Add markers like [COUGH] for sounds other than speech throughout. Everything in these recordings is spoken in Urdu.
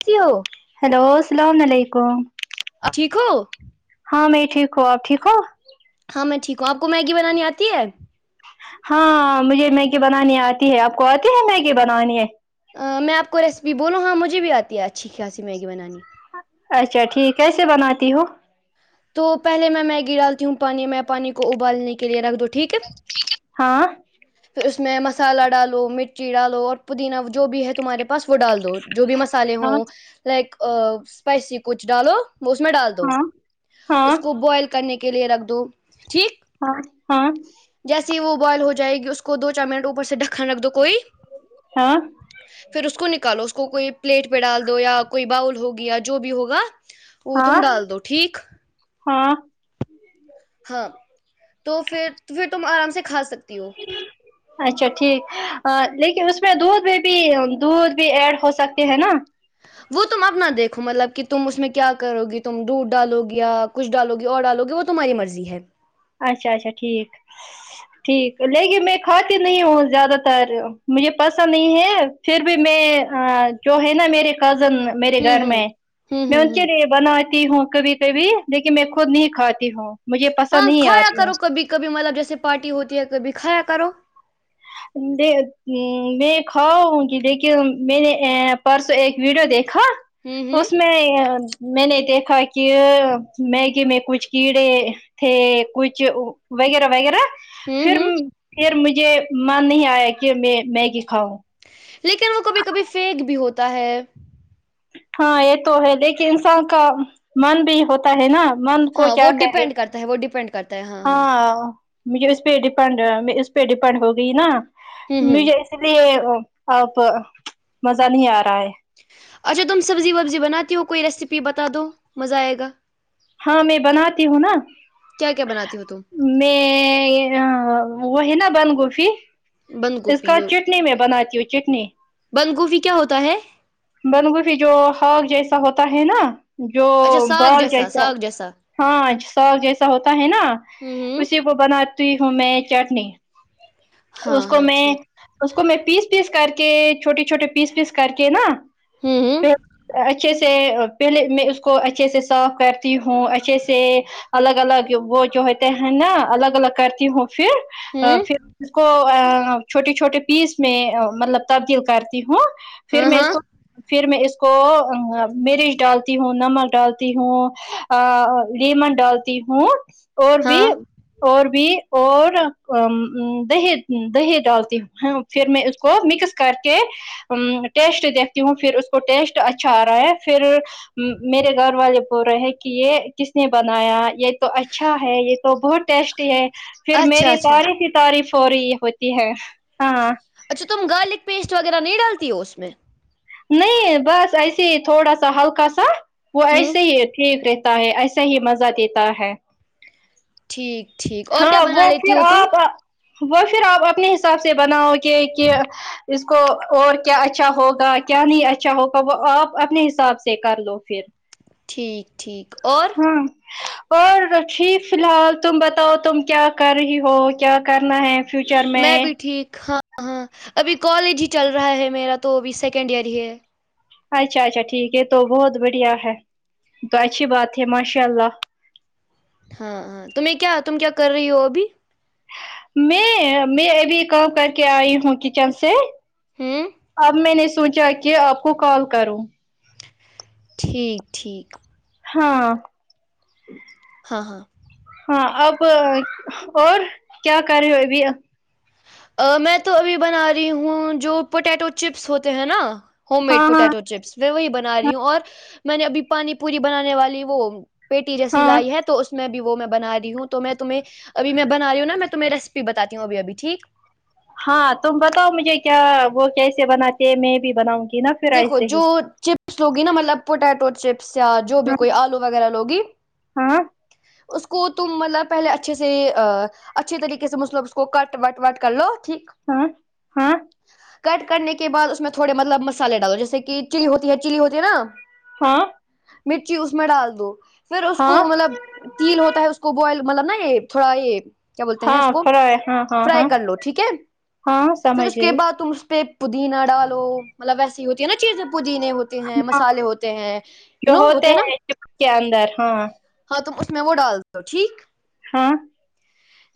تی ہو [UNINTELLIGIBLE] ہیلو السلام علیکم ٹھیک ہو ہاں میں ٹھیک ہوں آ ٹھیک ہو ہاں میں ٹھیک ہوں آپ کو میگینانی آتی ہے [UNINTELLIGIBLE] ہاں مجھے میگی بنانی آتی ہے آپ کو آتی ہے میگی بنانی میں آپ کو ریسیپی بولوں ہاں مجھے بھی آتی ہے اچھی خاصی میگی بنانی اچھا ٹھیک کیسے بناتی ہو تو پہلے میں میگی ڈالتی ہوں پانی میں پانی کو ابالنے کے لیے رکھ دو ٹھیک ہے ہاں پھر اس میں مسالہ ڈالو مچی ڈالو اور پودینہ جو بھی ہے تمہارے پاس وہ ڈال دو جو بھی مسالحے ہاں ہوں لائک اسپائسی کچھ ڈالو وہ اس میں ڈال دو ہاں ہاں اس کو بوائل کرنے کے لیے رکھ دو ٹھیک ہاں ہاں جیسیے ہی وہ بوائل ہو جائے گی اس کو دو چار منٹ اوپر سے ڈکن رکھ دو کوئی ج [INAUDIBLE] پھر اس کو نکالو اس کوئی پلیٹ پہ ڈال دو یا کوئی باؤل ہوگی یا جو بھی ہوگا وہ ہاں تم ڈال دو ٹھیک ہاں ہاں تو پھر پھر تم آرام سے کھا سکتی ہو ج [INAUDIBLE] اچھا ٹھیک لیکن اس میں دودھ میں بھی دودھ بھی ایڈ ہو سکتے ہیں نا وہ تم اپنا دیکھو مطلب کہ تم اس میں کیا کروی تم دودھ ڈالو گی یا کچھ ڈالو گی اور ڈالو گی وہ تو تمہاری مرضی ہے اچھا اچھا ٹھیک ٹھیک لیکن میں کھاتے نہیں ہوں زیادہ تر مجھے پسند نہیں ہے پھر بھی میں جو ہے نا میرے کزن میرے ہوں گھر ہوں میں ہوں میں ہوں ان کے ہوں لیے بناتی ہوں کبھی کبھی لیکن میں خود نہیں کھاتی ہوں مجھ ہاں کھایا کرو کبھی کبھی مطلب جیسے پارٹی ہوتی ہے کبھی کھایا کرو میں کھاؤں دیکھیے میں نے پرسوں ایک ویڈیو دیکھا ہوں تو ہوں اس میں میں نے دیکھا کہ میگی میں کچھ کیڑے تھ کچھ وغیرہ وغیرہ ہوں پھر ہوں پھر مجھے من نہیں آیا کہ میں میگی کھاؤں لیکن وہ کبھی کبھی فیک بھی ہوتا ہے ہاں یہ تو ہے لیکن انسان کا من بھی ہوتا ہے نا من کو ہاں کیا وہ کرے ڈیپینڈ کرتا ہے وہ ڈیپینڈ کرتا ہاں مجھے اس پہ ڈیپینڈ اس پہ ڈیپینڈ ہوگئی نا ہوں ہوں مجھے اس لیے اب مزہ نہیں آ رہا ہے اچھا تم سبزی وبزی بناتی ہو کوئی ریسیپی بتا دو مزہ آئے گا ہاں میں بناتی ہوں نا کیا کیا بناتی ہو تم میں وہ ہے نا بند گوفی بند اس گوبھی کا چٹنی میں بناتی ہوں چٹنی بند گوبی کیا ہوتا ہے بندگوفی جو ہگ جیسا ہوتا ہے نا جو اچھا ساگ بال جیسا ساگ ہاں ساگ جیسا ہوتا ہے نا ہوں ہوں اسی کو بنا ہوں میں چٹنی ہاں اس کو ہاں میں ٹھیک اس کو میں پیس پیس کر کے چھوٹے چھوٹے پیس پیس کر کے نا ہوں ہوں پ اچھے سے پہلے میں اس کو اچھے سے صاف کرتی ہوں اچھے سے الگ الگ وہ جو ہوتے ہیں نا الگ الگ کرتی ہوں پھر ہوں پھر اس کو چھوٹے چھوٹے پیس میں مطلب تبدیل کرتی ہوں پھر ہاں میں اس ہاں کو پھر میں اس کو مرچ ڈالتی ہوں نمک ڈالتی ہوں لیمن ڈالتی ہوں اور بھی ہاں اور بھی اور دہی دہی ڈالتی ہوں پھر میں اس کو مکس کر کے ٹیسٹ دیک ہوں پھر اس کو ٹیسٹ اچھا آ رہا ہے پھر میرے گھر والے ب رہے کہ یہ کس نے بنایا یہ تو اچھا ہے یہ تو بہت ٹیسٹی ہے پھر اچھا میری اچھا تعریف ہی تعریف ہو رہی ہوتی ہے ہاں اچھا تم گارلک پیسٹ وغیرہ نہیں ڈالتی ہو اس میں نہیں بس ایسے ہی تھوڑا سا ہلکا سا وہ ہوں ایسے ہی یہ ٹھیک رت ہے ایسا ہی مزہ دیتا ہے ٹھیک ٹھیک اور کیا ہاں بنا وہ لیتی پھر ہو تم آپ وہ پھر آپ اپنے حساب سے بناؤ گے کہ اس کو اور کیا اچھا ہوگا کیا نہیں اچھا ہوگا وہ آپ اپنے حساب سے کر لو پھر ٹھیک ٹھیک اور ہاں اور ٹیک فی الحال تم بتاؤ تم کیا کر رہی ہو کیا کرنا ہے میں بھی ٹھیک ہاں ہاں ابھی کالج ہی چل رہا ہے میرا تو ابھی سیکنڈ ایئر ہی ہے اچھا اچھا ٹھیک ہے تو بہت بڑھیا ہے تو اچھی بات ہے ماشاء اللہ ہاں ہاں تمہیں کیا تم کیا کر رہی ہو ابھی میں میں ابھی کام کر کے آئی ہوں کچن سے ہوں اب میں نے سوچا کہ آپ کو کال کروں ٹھیک ٹھیک ہاں ہاں ہاں [UNINTELLIGIBLE] ہاں اب اور کیا کر رہے ہو ابھی [UNINTELLIGIBLE] میں تو ابھی بنا رہی ہوں جو پوٹیٹو چپس ہوتے ہیں نا ہوم ہاں میڈ ہاں پوٹیٹو چپس میں وہی بنا رہی ہوں اور میں نے اب پانی پوری بنانے والی وہ پیٹی جیسی ہاں لائی ہے تو اس میں بھی وہ میں بنا رہی ہوں تو میں تمہیں ابھی میں ب رہی ہ نا میں تمہیں ریسپ بات ہوں ابھی ٹھیک ہاں تم بتاؤ مجھے کیا وہ کیسے بناتے میں بھی بناؤں گی نا پھر دیکھو ایسے جو ہی چ چپس لوگی نا مطلب پوٹیٹو چپس یا جو بھی ہاں کوئی آلو وغیرہ لوگی ہاں [UNINTELLIGIBLE] اس کو تم مطلب پہلے اچھے سے اچھے طریقے سے مطلب اس کو کٹ وٹ وٹ کر لو ٹھیک ہاں [UNINTELLIGIBLE] کٹ کرنے کے بعد اس میں تھوڑے مطلب مسالے ڈالو جیسے کہ چلی ہوتی ہے چلی ہوتی ہے نا ہاں [UNINTELLIGIBLE] مرچی اس میں ڈال دو پھر اس کو ہاں مطلب [UNINTELLIGIBLE] تیل ہوتا ہے اس کو بوائل مطلب نا یہ تھوڑا یہ کیا بولتے ہیں اس ہاں کو فرائے ہاں ہاں فرائی ہاں کر لو ٹھیک ہے ہاں پھر سمجھ اس کے گئی بعد تم اس پہ پودینہ ڈالو مطلب ویسی ہوتی ہے نا چیزیں پودینے ہوتی ہیں مسالے ہوتے ہیں یو جو نو ہوتے ہیں نا چپ کے اندر ہاں ہاں تو تم اس م میں وہ ڈال دو ٹھیک [UNINTELLIGIBLE] ہاں [UNINTELLIGIBLE]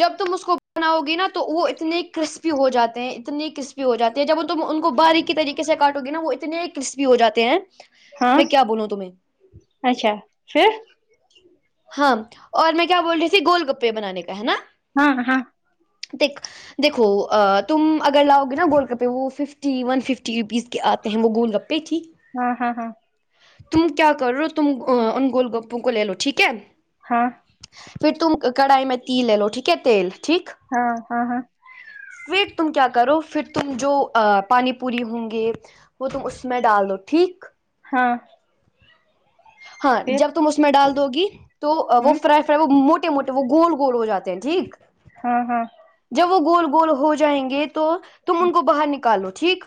جب تم اس کو بناؤ گی نا تو وہ اتنے کرسپی ہو جاتے ہیں اتنی کرسپی ہو جاتی ہے جب وہ تم ان کو باریی طریقے سے کاٹو گی نا وہ اتنے کرسپی ہو جاتے ہیں ہاں میں کیا بولوں تمہیں اچھا پھر ہاں اور میں کیا بول رہی تھی گول گپے بنانے کا ہے نا ہاں ہاں [UNINTELLIGIBLE] د ایک [UNINTELLIGIBLE] دیکھو تم اگر لاؤ گے نا گولڈ کپے وہ ففٹی ون ففٹی روپیز کے آتے ہیں وہ گولڈ کپے پھی [UNINTELLIGIBLE] ہاں ہاں ہاں تم کیا کر رہو تم انگول گپو کو لے لو ٹھیک ہے ہاں پھر تم کڑھائی میں تیل لے لو ٹھیک ہے تیل ٹھیک ہاں ہاں ہاں فیٹ تم کیا کرو پھر تم جو پانی پوری ہوں گے وہ تم اس میں ڈال دو ٹھیک ہاں ہاں پھر جب تم اس میں ڈال دو گی تو وہ ہوں فرائی ھر وہ موٹے موٹے وہ گول گول ہو جاتے ہیں ٹھیک ہوں ہوں جب وہ گول گول ہو جائیں گے تو تم ان کو باہر نکالو ٹھیک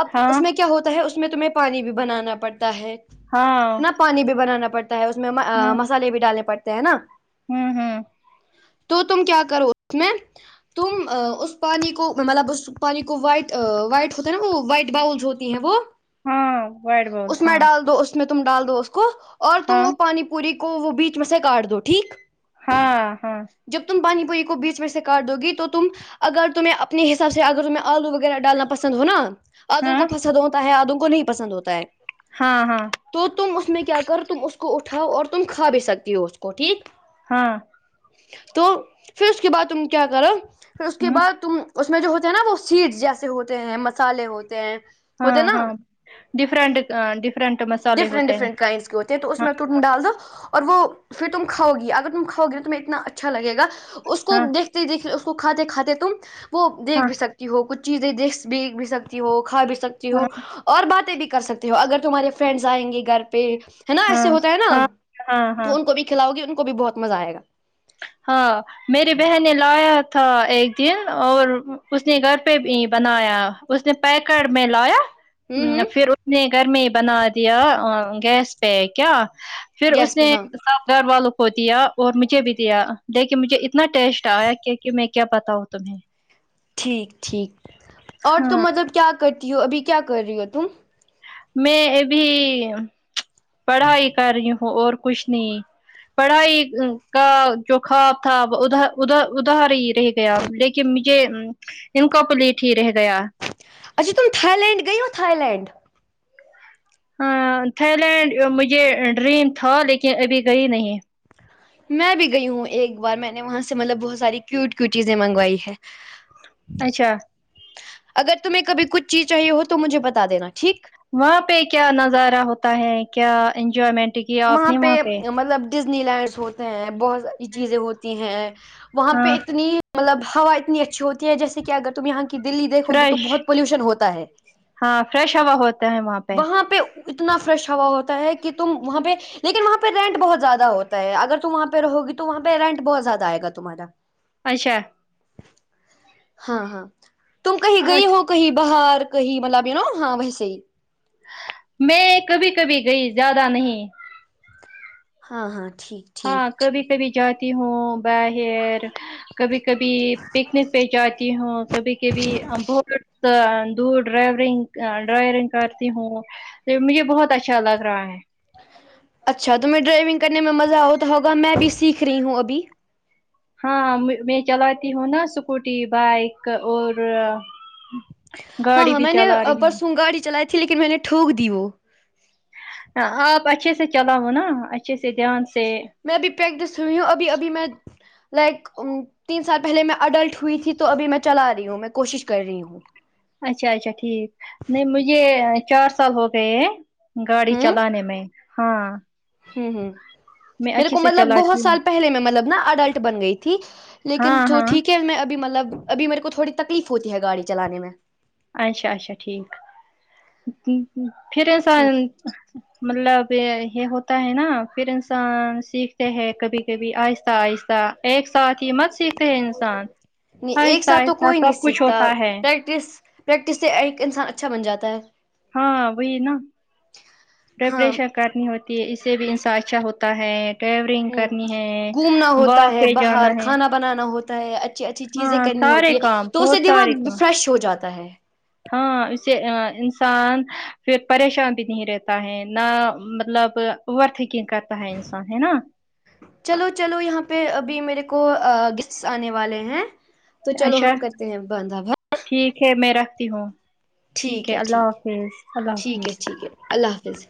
اب اس ہاں میں کیا ہوتا ہے اس میں تمہیں پانی بھی بنانا پڑتا ہے [UNINTELLIGIBLE] ہاں [UNINTELLIGIBLE] نا پانی بھی بنانا پڑتا ہے اس میں ہوں مسالے بھی ڈالنے پڑتے ہیں نا [UNINTELLIGIBLE] ہوں ہوں [UNINTELLIGIBLE] تو تم کیا کر اس میں تم اس پانی کو مطلب اس پانی کو وائٹ وائٹ ہوتا ہے نا وہ وائٹ باؤلز ہو [UNINTELLIGIBLE] ہے وہ ہاں وائٹ بال [UNINTELLIGIBLE] اس میں ہاں ڈال دو اس میں تم ڈال دو اس کو اور تم ہاں وہ پانی پوری کے کو وہ بیچ میں سے کاٹ دو ٹھیک [UNINTELLIGIBLE] ہاں ہاں [UNINTELLIGIBLE] جب تم پانی پوی کو بیچ میں سے کاٹ دو گی تو تم اگر تمہیں اپنے حساب سے اگر تمہیں آلو وغیرہ ڈالنا پسند ہوناا ادوں ہاں کو پسند ہوتا ہے ادوں کو نہیں پسند ہوتا ہے ہاں ہاں [UNINTELLIGIBLE] تو تم اس میں کیا کر تم اس کو اٹھاؤ اور تم کھا بھی سکتی ہو اس کو ٹھیک ہاں [UNINTELLIGIBLE] تو پھر اس کے بعد تم کیا کرو پھر اس کے ہوں بعد تم اس میں جو ہوتے ہیں نا وہ سیڈس جیسے ہوتے ہیں مسالحے ہوتے ہیں ہاں ہوتے ہیں نا ہاں [UNINTELLIGIBLE] ڈفرنٹ ڈفرنٹ مسالے ڈفرنٹ ہوتے ہیں ڈفرنٹ کائنڈس کے ہوتے ہیں تو اس ہاں میں تم ڈال دو اور وہ پھر تم کھاؤ گی اگر تم کھاؤ گی تو تمہیں اتنا اچھا لگ گا اس کو ہاں دیکھ دیکھ اس کو کھاتے کھاتے تم وہ دیکھ ہاں بھی سکتے [UNINTELLIGIBLE] ہو کچھ چیزیں دیکھ بھی بھی سکتی ہو کھا بھی سکتی ہو ہاں اور باتیں بھی کر سکتے ہو اگر تمہارے فرینڈس آئیں گے گھر پہ ہے نا ہاں ایسے ہوتا ہے نا ہاں [UNINTELLIGIBLE] ہاں ہاں تو ان کو بھی کھلاؤ گی ان کو بھی بہت مزہ آ گا ہاں [UNINTELLIGIBLE] میری بہن نے لایا تھا ایک دن اور اس نے گھر پہ بھی بنایا اس نے پیکٹ میں لایا [UNINTELLIGIBLE] ہوں ہوں پھر اس نے گھر میں ہی بنا دیا گیس پہ کیا پھر اس گیس پہ نے ہاں سب گھر والوں کو دیا اور مجھے بھی دیا لیکے مجھے اتنا ٹیسٹ آیا کیک میں کیا بتاؤوں تمہیں [UNINTELLIGIBLE] ٹھیک ٹھیک اور تم ہاں مطلب کیا کرتی ہو ابھی کیا کر رہی ہو تم [UNINTELLIGIBLE] میں ابھی پڑھائی کر رہی ہوں اور کچھ نہیں پڑھائی کا جو خواب تھا وہ اد اد ادھار ہی رہے [UNINTELLIGIBLE] گیا لیکن مجھے ان کا پلیٹ ہی رہ گیا [UNINTELLIGIBLE] اچا تم تھائیلینڈ گوا تھاائیلینڈ ہاں تھائی لینڈ مجھے ڈریم تھا لیکن ابھی گئی نہیں میں بھی گئی ہوں ایک بار میں نے وہاں سے مطلب بہت ساری کیوٹ کی چیزیں منگوائی ہے اچھا [INAUDIBLE] اگر تمہیں کبھی کچھ چیز چاہی ہو تو مجھے بتا دینا ٹھیک وہاں پہ کیا نظارہ ہوتا ہے کیا انجوائمنٹ کیا آپ وہاں نے پہ مطلب ڈزنی لینڈس ہوتے ہیں بہت ساری چیزیں ہوتی ہیں وہاں پہ ہاں اتنی [UNINTELLIGIBLE] مطلب ہوا اتنی اچھی ہوتی ہے جیسے کہ اگر تم یہاں کی دلیی دھو گی تو فریش بہت پلیوشن ہوتا ہے ہاں فریش ہوا ہوتا ہے وہاں پہ وہاں پہ اتنا فریش ہوا ہوتا ہے کہ تم وہاں پہ لیکن وہاں پہ رینٹ بہت زیادہ ہوتا ہے اگر تم وہاںہ رہو گی تو وہاں پ رٹ بہت زیاد آئے گا تمہارے [INAUDIBLE] اچھا ہاں ہاں تم کہیں گئی ہوگ کہیں باہر کہیں مطلب یو نا ہاں ویسے ہی میں کبھی کبھی گئی زیادہ نہیں ہاں ہاں ٹھیک ہاں ٹھیک کبھی کبھی جاتی ہوں باہر کبھی کبھی پکنک پہ جاتی ہوں کبھی کبھی بہت تو دور ڈرائیورنگ ڈرائیورنگ کرتی ہوں مجھے بہت اچھا لگ رہا ہے اچھا تو میں ڈرائیونگ کرنے میں مزہ ہوتا ہوگا میں بھی سیکھ رہی ہوں ابھی ہاں میں چلاتی ہوں نا اسکوٹی بائک اور ہاں گاڑی ہاں بھی میں نے چلا رہی ہوں پرسوں گاڑی چلائی تھی لیکن میں نے ٹوک دی وہ ہ آپ اچھے سے چلاؤ نا اچھے سے دھیان سے میں ابھی پیکٹس ہوئی ہوں ابھی ابھی میں لائک تین سال پہلے میں اڈلٹ ہوئی تھی تو ابھی میں چلا رہی ہوں میں کوشش کر رہی ہوں اچھا اچھا ٹھیک نہیں مجھے چار سال ہو گئے ہیں گاڑی ہوں چلانے میں ہاں ہوں ہ میں میرے اچھے کو سے مطلب چلاتی بہت ہوں سال پہلے میں مطلب نا اڈلٹ بن گئی تھی لیکن ہاں تو ہاں ٹھیک ہے میں ابھی مطلب ابھی میرے کو تھوڑی تکلیف ہوتی ہے گاڑی چلانے میں اچھا اچا ٹھیک پھر انسان ٹھیک مطلب یہ ہوتا ہے نا پھر انسان سیکھتے ہیں کبھی بھی آہستہ آہستہ ایک ساتھ ہی مت سیکھتے ہیں انسان نہیں ایک آہستہ ساتھ تو آہستہ کوئی نہیں سب کچھ سیکھتا ہوتا ہے پریکٹس پریکٹس سے ایک انسان اچھا بن جاتا ہے ہاں وہی نا ہاں رپریشن کرنی ہوتی ہے اس سے بھی انسان اچھا ہوتا ہے کیورنگ ہ کرنی ہے گھومنا وا ہوتا ہے پہ جانا باہر ہے کھانا بنانا ہوتا ہے اچھی اچھی چیزیں ہاں کرنی سارے ہوتی ہے کام تو اس سے بہت سارے دماغ کام فریش ہو جاتا ہے ہاں اسے انسان پھر پریشان بھی نہیں رہتا ہے نہ مطلب اوور تھنکنگ کر تا ہے انسان ہےا چلو چلو یہاں پہ ابھی میرے کو گیسٹس آنے والے ہیں تو چلو اچھا ہم کرتے ہیں بنداب ٹھیک ہے میں رکھتی ہوں ٹھیک ہے اللہ حافظ اللہ ٹھیک ہے حافظ ٹھیک ہے اللہ حافظ